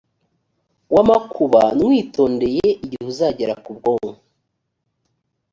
w amakuba nywitondeye igihe uzagera ku bwoko